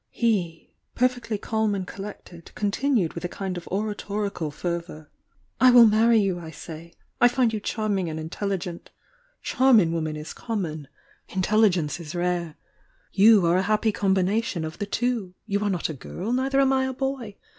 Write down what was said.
He, perfectly calm and collected, con tinued with a kind of oratorical fervour: "I will marry you, I say! I find you oharming and intelligent. Charm in woman is common — in til * i 5 If, 13 '; THE YOUNG DIANA telligence is rare. You are a happy combination of the two. You are not a girl — neither am I a boy.